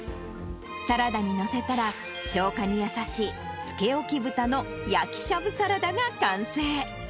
サラダに載せたら、消化に優しい、漬けおき豚の焼きしゃぶサラダが完成。